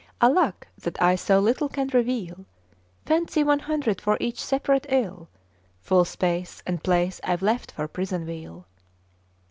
' 'Alack that I so little can reveal! Fancy one hundred for each separate ill: Full space and place I've left for prison weal!